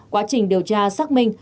quá trình điều tra xác minh